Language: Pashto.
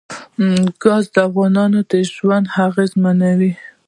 ګاز د افغانانو ژوند اغېزمن کوي.